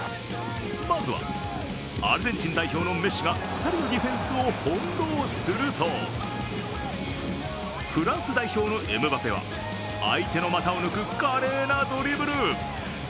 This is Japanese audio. まずはアルゼンチン代表のメッシが２人のディフェンスを翻弄するとフランス代表のエムバペは相手の股を抜く華麗なドリブル。